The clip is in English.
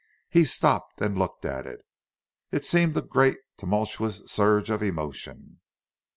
He stopped and looked at it—it seemed a great tumultuous surge of emotion.